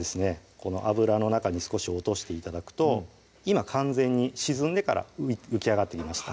この油の中に少し落として頂くと今完全に沈んでから浮き上がってきました